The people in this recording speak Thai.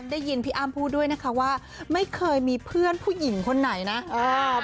ได้ยินพี่อ้ำพูดด้วยนะคะว่าไม่เคยมีเพื่อนผู้หญิงคนไหนนะ